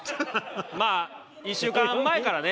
まあ１週間前からね